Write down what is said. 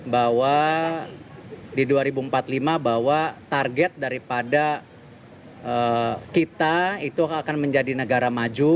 bahwa di dua ribu empat puluh lima bahwa target daripada kita itu akan menjadi negara maju